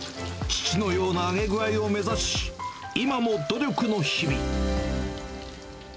父のような揚げ具合を目指し、今も努力の日々。